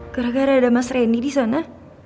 gara gara ada mas randy disana